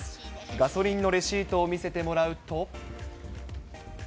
ガソリンのレシートを見せてもらうと。